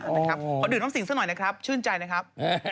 เพราะดื่มน้ำสิงซะหน่อยชื่นใจนะครับ